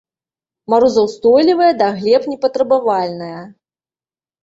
Марозаўстойлівая, да глеб не патрабавальная.